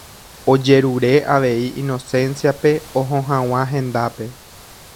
Ojerure avei Inocencia-pe oho hag̃ua hendápe.